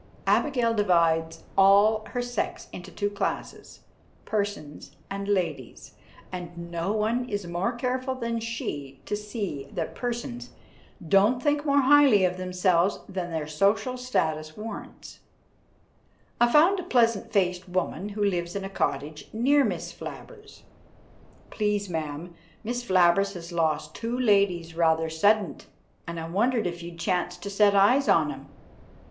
Abigail divides all her sex into two classes, "persons" and "ladies," and no one is more careful than she to see that "persons" don't think more highly of themselves than their social status warrants. I found a pleasant faced woman who lives in a cottage near Miss Flabbers. "Please, ma'am, Miss Flabbers has lost two ladies rather suddint, and I wondered if you'd chanced to set eyes on 'em?